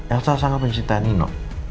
elsa sangat menyintai nino